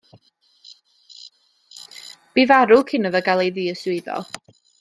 Bu farw cyn iddo gael ei ddiswyddo.